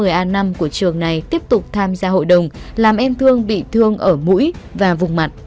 một nhóm học sinh ở lớp một mươi a năm của trường này tiếp tục tham gia hội đồng làm em thương bị thương ở mũi và vùng mặt